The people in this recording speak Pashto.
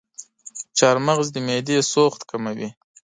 چارمغز د معدې سوخت کموي.